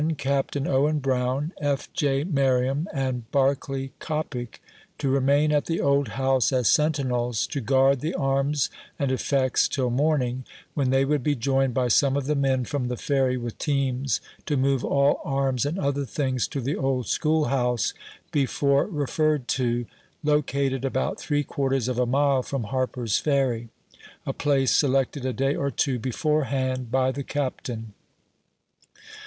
Captain Owen Brown, F. J. Merriam, and Barclay Coppic to remain at the old house as sentinels, to guard the arms and effects till morning, when they would be joined by some of the men from the Ferry with teams to move all arms and other things to the old school house before referred to, located about three quarters of a mile from Harper's Ferry — a place selected a day or two beforehand by the Captain.